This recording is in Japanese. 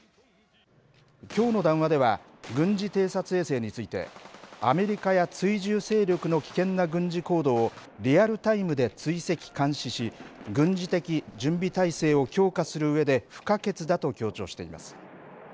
きょうの談話では、軍事偵察衛星について、アメリカや追従勢力の危険な軍事行動を、リアルタイムで追跡・監視し、軍事的準備態勢を強化するうえで不可欠だと強調しています。